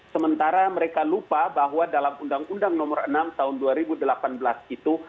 sementara mereka lupa bahwa dalam undang undang nomor enam tahun dua ribu delapan belas itu